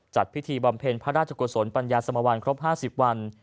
จัดพิธีบำเพ็ญพระราชกุศลปัญญาสมวัลครบ๕๐วัน